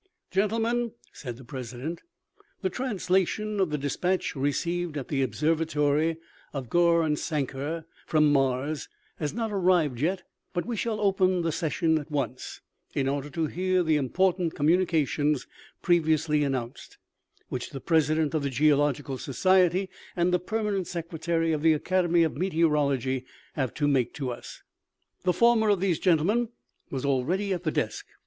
" Gentlemen," said the president, u the translation of the despatch received at the observatory of Gaurisankar from Mars has not arrived yet, but we shall open the session at once, in order to hear the important com munication previously announced, which the president of the geological society, and the permanent secretary of the academy of meteorology, have to make to us." The former of these gentlemen was already at the desk.